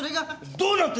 どうなってんだ！？